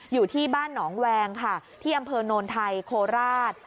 อยู่ที่บ้านหนองแวงค่ะที่อำเภอโนนไทยโคราช